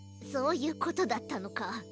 そういうことだったのか。